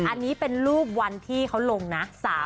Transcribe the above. อันนี้เป็นรูปวันที่เขาลงนะ